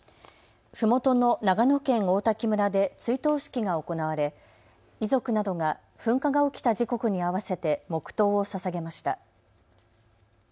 ふもとの長野県王滝村で追悼式が行われ遺族などが噴火が起きた時刻に合わせて黙とうをささげました。